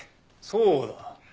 そうだ。